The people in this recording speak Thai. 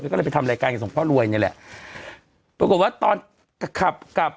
ก็เลยไปทำรายการกับส่องพ่อรวยรู้จังแหละปรากฏว่าตอนกับกลับกับ